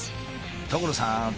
所さん！